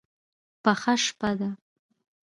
پخه شپه ده.